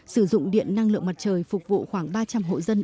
sử dụng điện năng lượng mặt trời phục vụ khoảng ba trăm linh hộ dân